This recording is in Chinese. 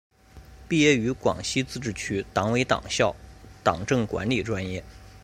毕业于广西自治区党委党校党政管理专业。